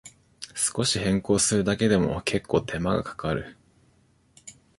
少し変更するだけでも、けっこう手間がかかる